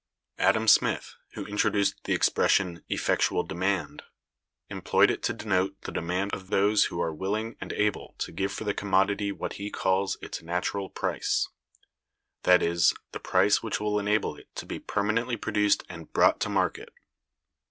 Adam Smith, who introduced the expression "effectual demand," employed it to denote the demand of those who are willing and able to give for the commodity what he calls its natural price—that is, the price which will enable it to be permanently produced and brought to market.